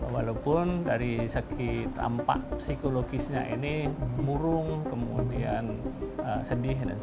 walaupun dari segi tampak psikologisnya ini murung kemudian sedih